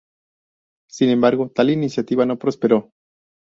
Sin embargo tal iniciativa no prosperó.